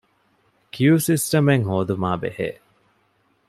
ކިޔޫ ސިސްޓަމެއް ހޯދުމާބެހޭ